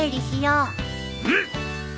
うん！